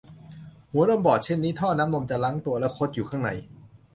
หัวนมบอดเช่นนี้ท่อน้ำนมจะรั้งตัวและคดอยู่ข้างใน